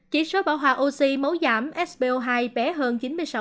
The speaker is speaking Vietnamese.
chỉ số bảo hòa oxy máu giảm sbo hai bé hơn chín mươi sáu